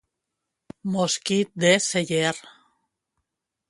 Mosquit de celler.